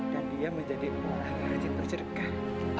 dan dia menjadi orang yang bersedekah